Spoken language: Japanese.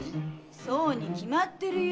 そうに決まってるよ。